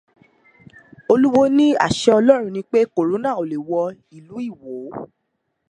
Olúwo ní àṣẹ Ọlọ́run ni pé kòróná ò lè wọ ìlú Ìwó.